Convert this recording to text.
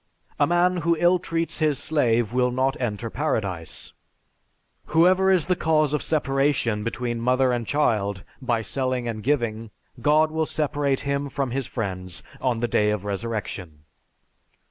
A man who illtreats his slave will not enter paradise.... Whoever is the cause of separation between mother and child by selling and giving, God will separate him from his friends on the day of resurrection."